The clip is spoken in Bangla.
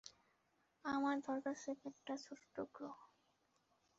আমার দরকার স্রেফ একটা ছোট্ট টুকরো।